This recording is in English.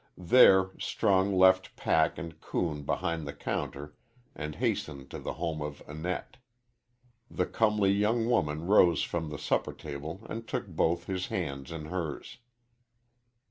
There Strong left pack and coon behind the counter and hastened to the home of Annette. The comely young woman rose from the supper table and took both his hands in hers.